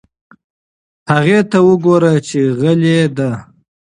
هغې ته وگوره چې غلې ده.